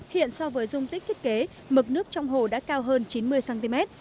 hiện so với dung tích thiết kế mực nước trong hồ đã cao hơn chín mươi cm